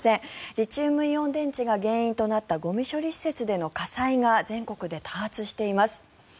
リチウムイオン電池が原因となったゴミ処理施設での火災が全国で多発しています。